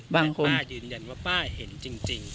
ป้ายืนยันว่าป้าเห็นจริง